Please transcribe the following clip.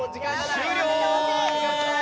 終了！